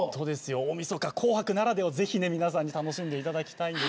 おおみそか「紅白」ならではぜひ、皆さんに楽しんでいただきたいです。